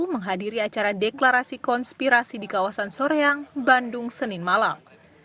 menghadiri acara deklarasi konspirasi di kawasan soreang bandung senin malam